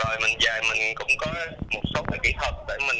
rồi mình dạy mình cũng có một số kỹ thuật để mình